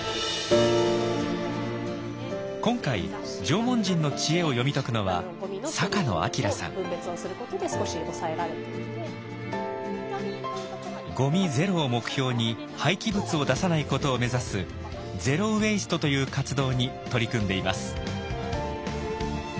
今回縄文人の知恵を読み解くのはゴミゼロを目標に廃棄物を出さないことを目指す「ゼロ・ウェイスト」という活動に取り組んでいます。